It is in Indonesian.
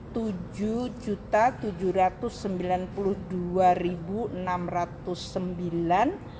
rp tujuh tujuh ratus sembilan puluh dua enam ratus sembilan